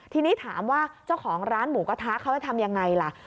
ทีนี้ถามว่าเจ้าของร้านหมูกระทะเขาจะทำยังไงล่ะ